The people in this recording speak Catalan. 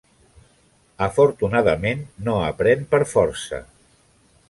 Afortunadament no aprèn per força.